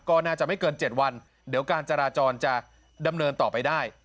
ก็น่าจะไม่เกิน๗วันเดี๋ยวการจราจรจะดำเนินต่อไปได้